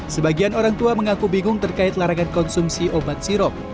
sebagian orang tua mengaku bingung terkait larangan konsumsi obat sirop